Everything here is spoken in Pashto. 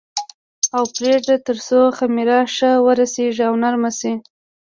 اوړه پرېږدي تر څو خمېره ښه ورسېږي او نرم شي.